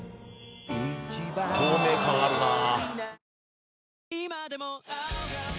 透明感あるなぁ。